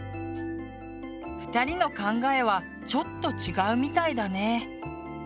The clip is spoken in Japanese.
２人の考えはちょっと違うみたいだね。